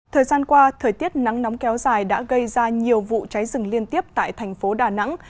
thời gian qua thời tiết nắng nóng kéo dài đã gây ra nhiều vụ cháy rừng liên tiếp tại thành phố đà nẵng